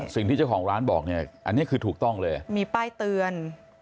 สิ่งที่เจ้าของร้านบอกเนี่ยอันนี้คือถูกต้องเลยมีป้ายเตือน